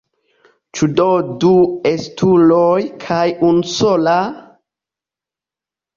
Ĉu do du estuloj kaj unusola?